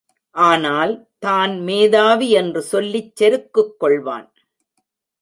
ஆனால், தான் மேதாவி என்று சொல்லிச், செருக்குக்கொள்வான்.